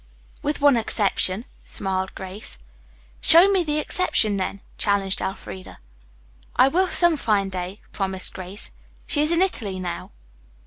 "With one exception," smiled Grace. "Show me the exception, then," challenged Elfreda. "I will some fine day," promised Grace. "She's in Italy now."